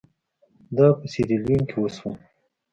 دا په سیریلیون کې وشول.